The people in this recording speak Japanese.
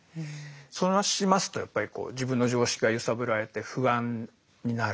そうしますとやっぱり自分の常識が揺さぶられて不安になる。